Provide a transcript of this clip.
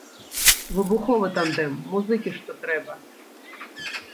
Выбуховы тандэм, музыкі што трэба!